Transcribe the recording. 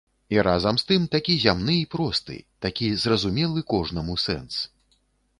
І разам з тым такі зямны і просты, такі зразумелы кожнаму сэнс.